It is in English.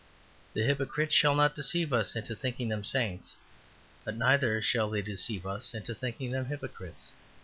The hypocrites shall not deceive us into thinking them saints; but neither shall they deceive us into thinking them hypocrites.